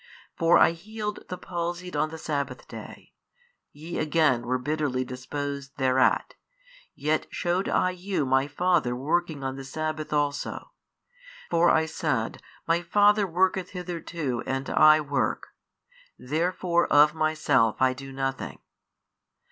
For I healed the palsied on the sabbath day, YE again were bitterly disposed thereat, yet shewed I you My Father working on the sabbath also: for I said, My Father worketh hitherto and I work: therefore of Myself I do nothing.